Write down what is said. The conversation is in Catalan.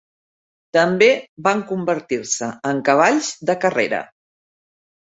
També van convertir-se en cavalls de carrera.